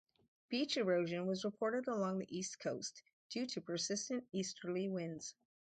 Beach erosion was reported along the east coast, due to persistent easterly winds.